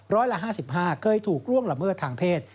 ร้อยละ๕๕เคยถูกล่วงละเมิดทางเพศ